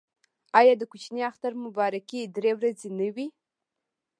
آیا د کوچني اختر مبارکي درې ورځې نه وي؟